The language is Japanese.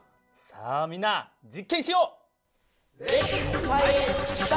さあみんな実験しよう！